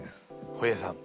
堀江さん。